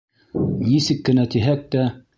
Нисек кенә тиһәк тә.